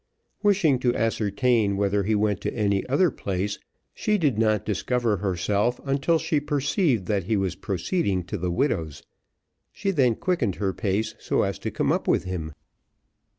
Wishing to ascertain whether he went to any other place, she did not discover herself until she perceived that he was proceeding to the widow's she then quickened her pace so as to come up with him.